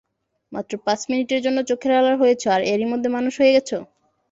মাত্র পাঁচ মিনিটের জন্য চোখের আড়াল হয়েছ, আর এরই মধ্যে মানুষ হয়ে গেছো?